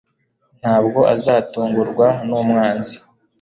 Nta bwo azatungurwa n’umwanzi